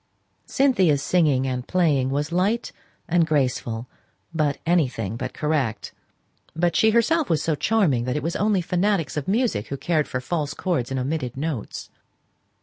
Cynthia's singing and playing was light and graceful, but anything but correct; but she herself was so charming, that it was only fanatics for music who cared for false chords and omitted notes.